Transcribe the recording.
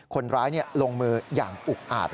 คนร้ายลงมืออย่างอุกอาจ